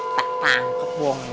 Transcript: tak pangkep buangnya